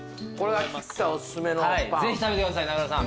はいぜひ食べてください名倉さん。